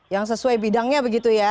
yang sesuai bidangnya begitu ya